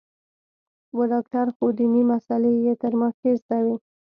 و ډاکتر خو ديني مسالې يې تر ما ښې زده وې.